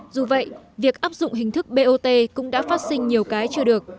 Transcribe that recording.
dù vậy việc áp dụng hình thức bot cũng đã phát sinh nhiều cái chưa được